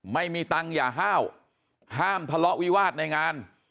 ไม่มีตังค์อย่าห้าวห้ามทะเลาะวิวาสในงาน